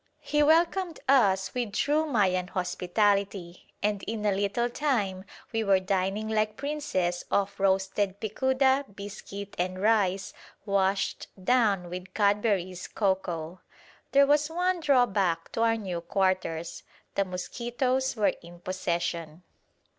He welcomed us with true Mayan hospitality, and in a little time we were dining like princes off roasted picuda, biscuit and rice, washed down with Cadbury's cocoa. There was one drawback to our new quarters: the mosquitoes were in possession.